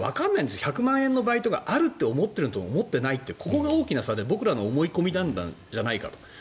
１００万円のバイトがあると思ってるのと思ってないののそこが大きな差で僕らの思い込みなんじゃないかと。